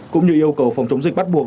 cũng như yêu cầu phòng chống dịch bắt buộc